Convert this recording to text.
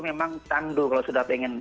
memang tandu kalau sudah pengen